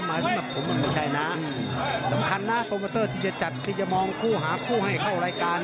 บายที่จะมองคู่หาคู่ให้เข้ารายการ